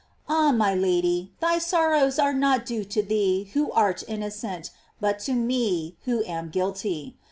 Ah, my Lady, thy sorrows are not due to thee who art inno cent, but to me who am guilty.